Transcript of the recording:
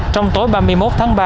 trong tối ba mươi một tháng ba